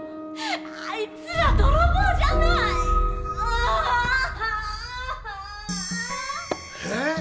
あいつら泥棒じゃない！えっ！？